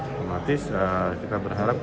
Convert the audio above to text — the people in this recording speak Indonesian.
pematis kita berharap